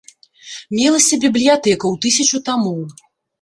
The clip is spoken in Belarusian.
Мелася бібліятэка ў тысячу тамоў.